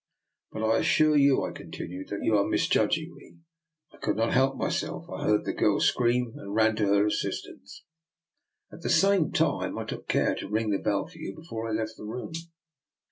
*' But I assure you," I continued, " that you are misjudging me. I could not help myself. I heard the girl scream and ran to her assistance. At the same time I took care to ring the bell for you before I left the room."